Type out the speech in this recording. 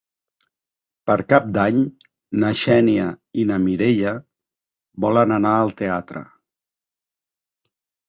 Per Cap d'Any na Xènia i na Mireia volen anar al teatre.